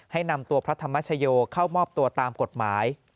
ให้นำตัวพระธรรมชโยเข้ามอบตัวตามกฎหมาย